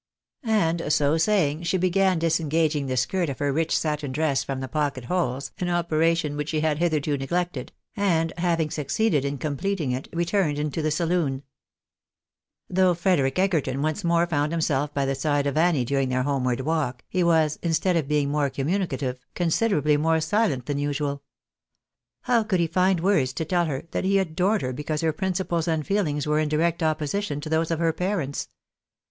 And so saying, she began disengaging the skirt of her rich satin dress from the pocket holes, an operation which she had hitherto neglected, and having succeeded in completing it, re turned into the saloon. Though Frederic Egerton once more found himself by the side of Annie during their homeward walk, he was, instead of being M 194 THE BARTSAuxo Ai> aivijiiAaCa. more comiminicative, considerably more silent than usual. How could he find words to tell her that he adored her because her prin ciples and feelings were in direct opposition to those of her parents?